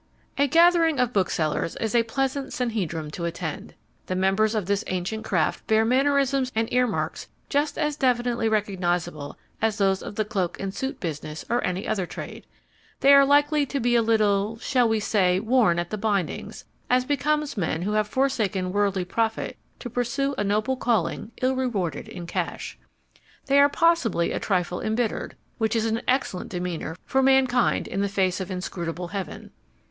A gathering of booksellers is a pleasant sanhedrim to attend. The members of this ancient craft bear mannerisms and earmarks just as definitely recognizable as those of the cloak and suit business or any other trade. They are likely to be a little shall we say worn at the bindings, as becomes men who have forsaken worldly profit to pursue a noble calling ill rewarded in cash. They are possibly a trifle embittered, which is an excellent demeanour for mankind in the face of inscrutable heaven.